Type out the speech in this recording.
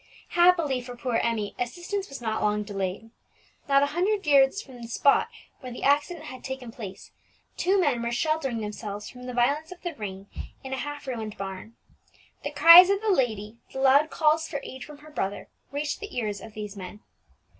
Happily for poor Emmie, assistance was not long delayed. Not a hundred yards from the spot where the accident had taken place, two men were sheltering themselves from the violence of the rain in a half ruined barn. The cries of the lady, the loud calls for aid from her brother, reached the ears of these men.